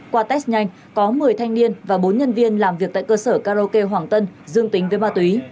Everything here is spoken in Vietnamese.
qua test nhanh có một mươi thanh niên và bốn nhân viên làm việc tại cơ sở karaoke hoàng tân dương tính với ma túy